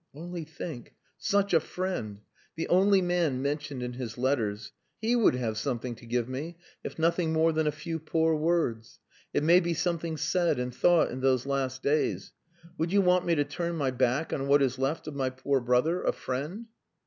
"Only think such a friend. The only man mentioned in his letters. He would have something to give me, if nothing more than a few poor words. It may be something said and thought in those last days. Would you want me to turn my back on what is left of my poor brother a friend?"